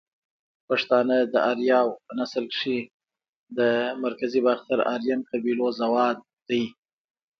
پښتانه ده اریاو په نسل کښی ده مرکزی باختر آرین قبیلو زواد دی